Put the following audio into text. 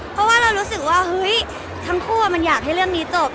เพราะว่าเรารู้สึกว่าเฮ้ยทั้งคู่มันอยากให้เรื่องนี้จบ